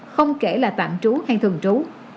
không kể là tạm trú hay thường trú